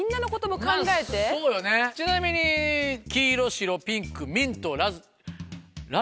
ちなみに黄色白ピンクミントラズ。